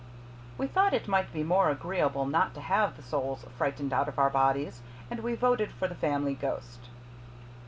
We thought it might be more agreeable not to have the souls frightened out of our bodies, and we voted for the Family Ghost.